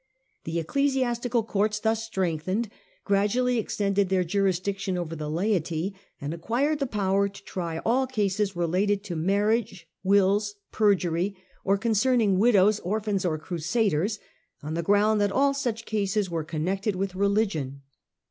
The ecclesiastical courts, thus strengthened, gradually extended their jurisdiction over the laity, and acquired the right to try all cases relating to marriage, wills, perjury, or concerning widows, orphans or crusaders, on the ground that all such cases were connected with religion.